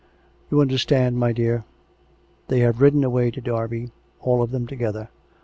" You understand, my dear. ... They have ridden away to Derby, all of them together.